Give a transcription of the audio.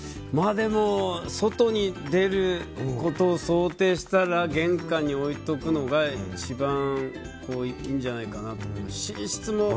外に出ることを想定したら玄関に置いておくのが一番いいんじゃないかなと思う。